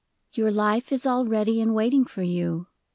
Your life is all ready and waiting for you.